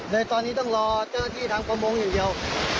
เลยตอนนี้ต้องรอเจอที่ทางกระโมงอยู่เดียว